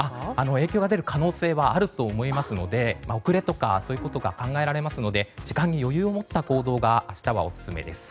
影響が出る可能性があると思うので遅れなども考えられるので時間に余裕を持った行動が明日はオススメです。